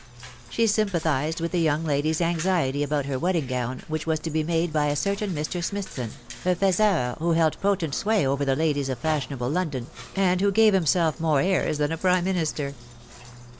She sympathised with the young lady's anxiety about her wedding gown, which was to be made by a certain Mr. Smithson, a faiseur who held potent Bway over the ladies of fashionable London, and who gave him Belf more airs than a Prime Minister.